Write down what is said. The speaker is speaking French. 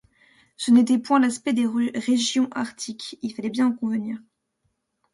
Ce n’était point l’aspect des régions arctiques, il fallait bien en convenir.